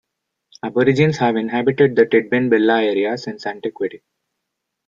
Aborigines have inhabited the Tidbinbilla area since antiquity.